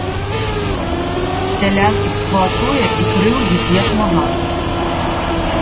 Сялян эксплуатуе і крыўдзіць як мага.